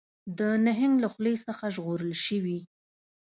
د نهنګ له خولې څخه ژغورل شوي